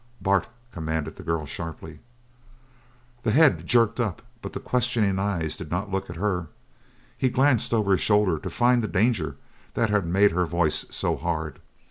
"Bart!" commanded the girl, sharply. The head jerked up, but the questing eyes did not look at her. He glanced over his shoulder to find the danger that had made her voice so hard.